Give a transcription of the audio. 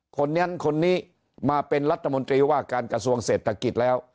คนนั้นคนนี้มาเป็นรัฐมนตรีว่าการกระทรวงเศรษฐกิจแล้ว